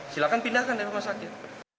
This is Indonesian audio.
silahkan pindahkan dari rumah sakit